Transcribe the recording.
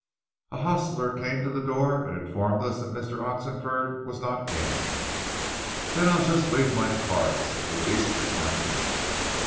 A hostler came to the door and informed us that Mr. Oxenford was not in. "Then I'll just leave my card," said Deweese, dismounting.